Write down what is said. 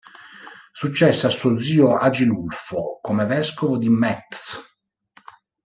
Successe a suo zio Agilulfo come vescovo di Metz.